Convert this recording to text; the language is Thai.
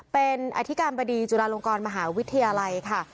เป็นอธิการบดีจุฬาลงกรมหาวิทยาลัยค่ะ